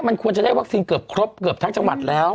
มันควรจะได้วัคซีนเกือบครบเกือบทั้งจังหวัดแล้ว